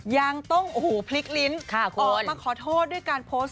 ยังต้องโอ้โหพลิกลิ้นค่ะคุณออกมาขอโทษ